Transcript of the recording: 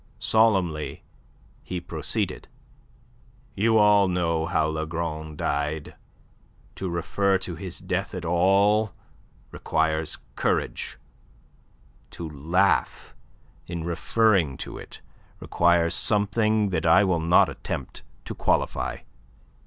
Solemnly he proceeded. "You all know how Lagron died. To refer to his death at all requires courage, to laugh in referring to it requires something that I will not attempt to qualify.